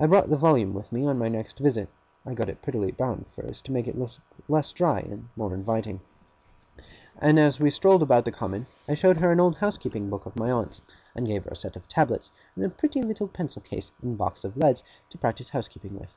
I brought the volume with me on my next visit (I got it prettily bound, first, to make it look less dry and more inviting); and as we strolled about the Common, I showed her an old housekeeping book of my aunt's, and gave her a set of tablets, and a pretty little pencil case and box of leads, to practise housekeeping with.